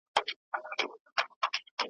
په خبرو سره لمبه وه لکه اور وه !.